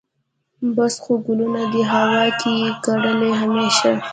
بس خو ګلونه دي هوا کې یې کرې همیشه